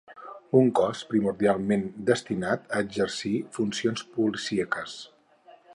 Un cos primordialment destinat a exercir funcions policíaques